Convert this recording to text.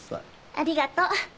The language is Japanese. ありがとう。